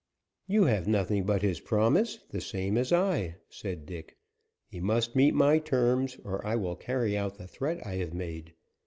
"You have nothing but his promise, the same as I," said Dick. "He must meet my terms, or I will carry out the threat I have made.